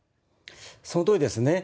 そのとおりですね。